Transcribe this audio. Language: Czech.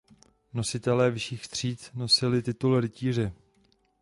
Nositelé vyšších tříd nosili titul rytíře.